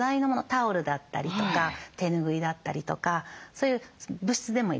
タオルだったりとか手拭いだったりとかそういう物質でもいいです。